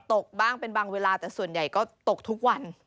ตกบ้างเป็นบางเวลาแต่ส่วนใหญ่ก็ตกทุกวัน